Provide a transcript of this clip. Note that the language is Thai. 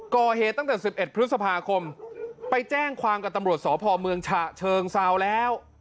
ก่อเหตุตั้งแต่๑๑พฤษภาคมไปแจ้งความกับตำรวจสพเมืองฉะเชิงเซาแล้ว